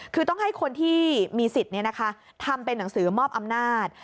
คือต้องให้คนที่มีสิทธิ์ทำเป็นหนังสือมอบอำนาจ